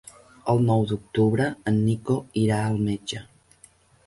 El nou d'octubre en Nico irà al metge.